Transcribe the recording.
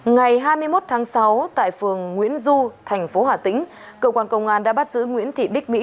ngày hai mươi một tháng sáu tại phường nguyễn du thành phố hà tĩnh cơ quan công an đã bắt giữ nguyễn thị bích mỹ